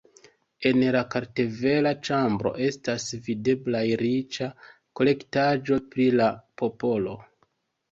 En la kartvela ĉambro estas videblaj riĉa kolektaĵo pri la popolo.